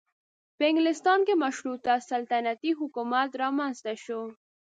په انګلستان کې مشروطه سلطنتي حکومت رامنځته شو.